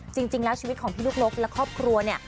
ชีวิตของพี่ลูกนกและครอบครัวเนี่ย